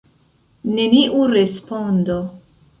Neniu respondo.